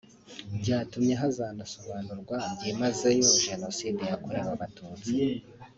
byatumye hazanasobanurwa byimazeyo Jenoside yakorewe Abatutsi